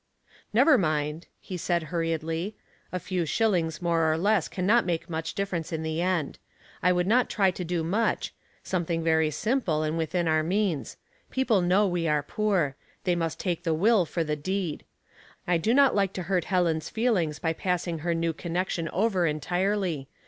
"Never mind," he said, hurriedly. "A few BhillinGTS more or less can not make much dif o ference in the end. I would not try to do much. Opposing Elements, 215 Something very simple, and within our means. People know we are poor. They must take the will for the deed. I do not like to hurt Helen's feelings by passing her new connection over en tirely.